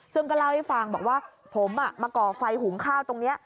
ซึ่งก็เล่าให้ฟังบอกว่าผมมาก่อไฟหุงข้าวตรงนี้